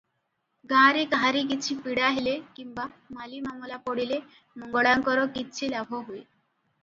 ଗାଁରେ କାହାରିକିଛି ପୀଡ଼ାହେଲେ କିମ୍ବା ମାଲିମାମଲା ପଡ଼ିଲେ ମଙ୍ଗଳାଙ୍କର କିଛିଲାଭହୁଏ ।